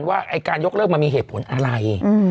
ว่าการยกเลิกมันมีเหตุผลอะไร